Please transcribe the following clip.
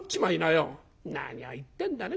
「何を言ってんだね